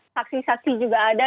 saksi saksi juga ada